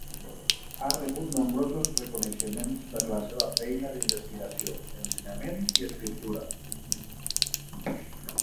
Ha rebut nombrosos reconeixements per la seva feina d'investigació, ensenyament i escriptura.